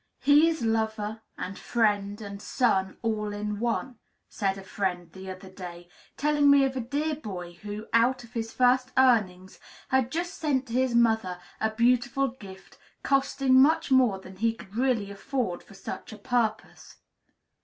"He is lover and friend and son, all in one," said a friend, the other day, telling me of a dear boy who, out of his first earnings, had just sent to his mother a beautiful gift, costing much more than he could really afford for such a purpose.